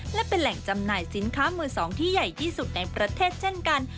และเป็นแหล่งจำหน่ายสินค้ามือสองที่ใหญ่ที่สุดในประเทศเช่นกัน